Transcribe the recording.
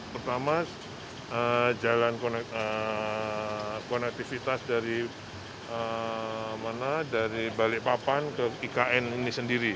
pertama jalan konektivitas dari balikpapan ke ikn ini sendiri